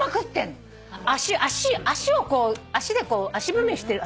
足を足で足踏みしてる。